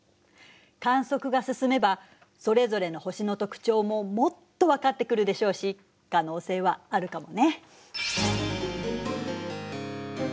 観測が進めばそれぞれの星の特徴ももっと分かってくるでしょうし可能性はあるかもね。